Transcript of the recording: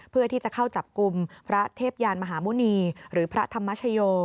เพื่อที่จะเข้าจับกลุ่มพระเทพยานมหาหมุณีหรือพระธรรมชโย